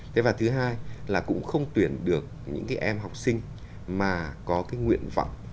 thế và thứ hai là cũng không tuyển được những cái em học sinh mà có cái nguyện vọng